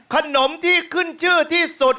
ขนมที่ขึ้นชื่อที่สุด